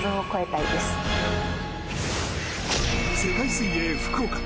世界水泳福岡！